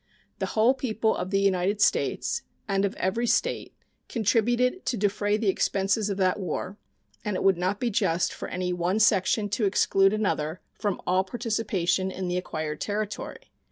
The whole people of the United States, and of every State, contributed to defray the expenses of that war, and it would not be just for any one section to exclude another from all participation in the acquired territory.